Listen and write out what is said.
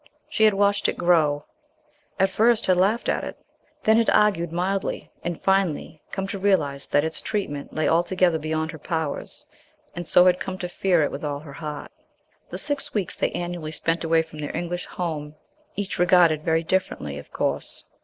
She had watched it grow, at first had laughed at it, then talked sympathetically so far as sincerity permitted, then had argued mildly, and finally come to realize that its treatment lay altogether beyond her powers, and so had come to fear it with all her heart. The six weeks they annually spent away from their English home, each regarded very differently, of course.